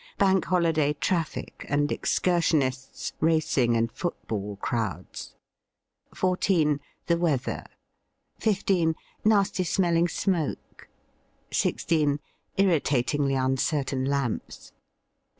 Bank Holiday traffic and excursionists, racing and football crowds. 14. The weather. 15. Nasty smelling smoke. 16. Irritatingly uncertain lamps. 17.